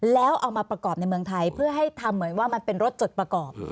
แล้วเอามาประกอบในเมืองไทยเพื่อให้ทำเหมือนว่ามันเป็นรถจดประกอบ